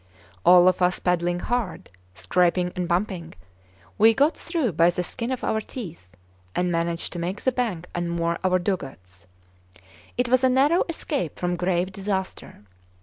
All of us paddling hard scraping and bumping we got through by the skin of our teeth, and managed to make the bank and moor our dugouts. It was a narrow escape from grave disaster.